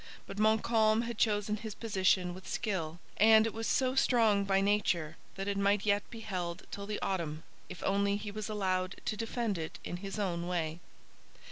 But Montcalm had chosen his position with skill, and it was so strong by nature that it might yet be held till the autumn, if only he was allowed to defend it in his own way.